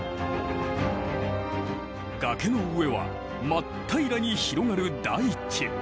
崖の上は真っ平らに広がる大地。